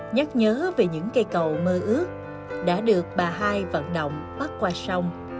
nhắc nhớ về những cây cầu mơ ước đã được bà hai vận động bắt qua sông